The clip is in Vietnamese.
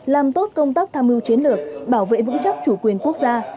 làm tốt công tác tham mưu chiến lược bảo vệ vững chắc chủ quyền quốc gia